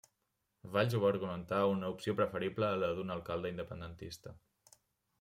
Valls ho va argumentar una opció preferible a la d'un alcalde independentista.